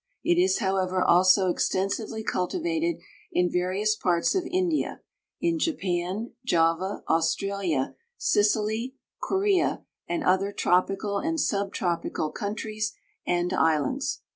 It is, however, also extensively cultivated in various parts of India, in Japan, Java, Australia, Sicily, Corea, and other tropical and subtropical countries and islands.